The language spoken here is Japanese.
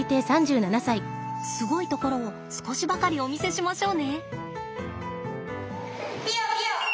すごいところを少しばかりお見せしましょうね。